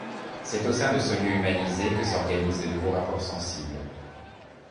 C’est au sein de ce lieu humanisé que s’organisent de nouveaux rapports sensibles.